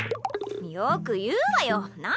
よく言うわよ。何？